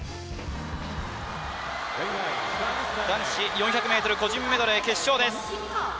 男子４００ｍ個人メドレー決勝です。